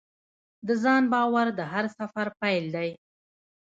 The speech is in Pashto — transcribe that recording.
د ځان باور د هر سفر پیل دی.